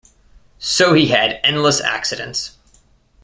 So he had endless accidents.